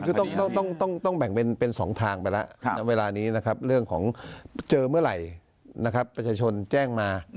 คือต้องแบ่งเป็น๒ทางไปแล้วเวลานี้นะครับเรื่องของเจอเมื่อไหร่นะครับประชาชนแจ้งมา